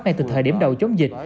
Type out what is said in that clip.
ngay từ thời điểm đầu chống dịch